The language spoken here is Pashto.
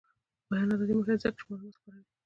د بیان ازادي مهمه ده ځکه چې معلومات خپروي.